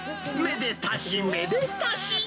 めでたし、めでたし。